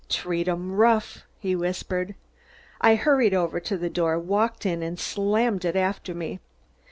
"Treat 'em rough!" he whispered. I hurried over to the door, walked in and slammed it after me.